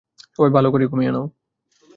সবাই ভালো করে ঘুমিয়ে নাও।